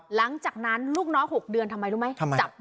หลังจากนั้นลูกน้อง๖เดือนทำไมรู้ไหม